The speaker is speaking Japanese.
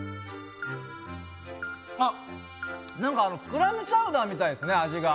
なんかクラムチャウダーみたいですね、味が。